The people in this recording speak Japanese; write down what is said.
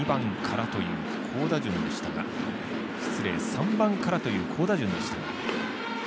３番からという、好打順でしたが。